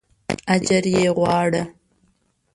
اجر یې غواړه.